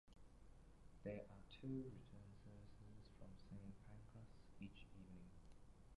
There are two return services from Saint Pancras each evening.